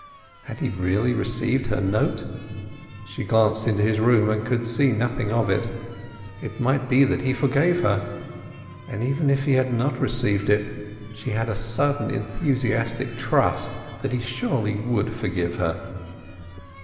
Had he really received her note? She glanced into his room, and could see nothing of it. It might be that he forgave her. But even if he had not received it she had a sudden enthusiastic trust that he surely would forgive her.